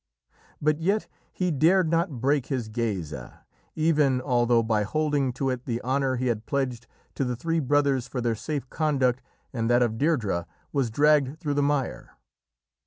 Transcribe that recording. But yet he dared not break his geasa, even although by holding to it the honour he had pledged to the three brothers for their safe conduct and that of Deirdrê was dragged through the mire.